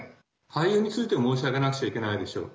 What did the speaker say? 俳優について申し上げなくちゃいけないでしょう。